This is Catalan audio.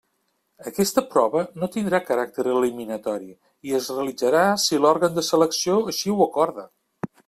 Aquesta prova no tindrà caràcter eliminatori i es realitzarà si l'òrgan de selecció així ho acorda.